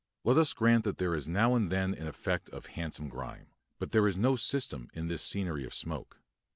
Let us grant that there is now and then an effect of handsome grime, but there is no system in this scenery of smoke.